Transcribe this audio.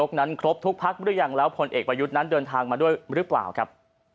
นั้นครบทุกพักหรือยังแล้วผลเอกประยุทธ์นั้นเดินทางมาด้วยหรือเปล่าครับ